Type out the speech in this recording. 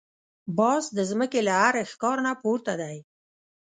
باز د زمکې له هر ښکار نه پورته دی